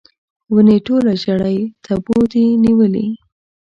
ونې ټوله ژړۍ تبو دي نیولې